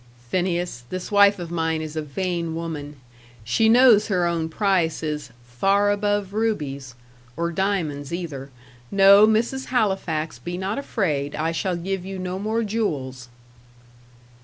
"Phineas, this wife of mine is a vain woman. She knows her own price is 'far above rubies' or diamonds either. No, Mrs. Halifax, be not afraid; I shall give you no more jewels."